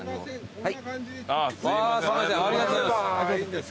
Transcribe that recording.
はい。